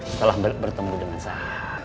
setelah bertemu dengan saya